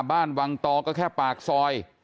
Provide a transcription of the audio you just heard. บ้านวังตอก็แค่ปากซอย